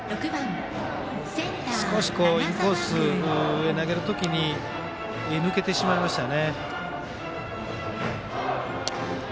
少しインコースに投げるときに抜けてしまいましたよね。